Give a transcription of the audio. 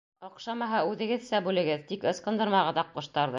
Оҡшамаһа, үҙегеҙсә бүлегеҙ, тик ысҡындырмағыҙ аҡҡоштарҙы.